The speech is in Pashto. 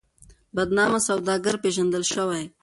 بدنام سوداگر پېژندل شوی.